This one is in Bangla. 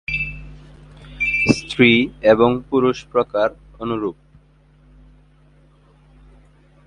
স্ত্রী এবং পুরুষ প্রকার অনুরূপ।